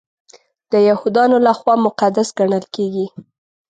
د یهودانو لخوا مقدس ګڼل کیږي.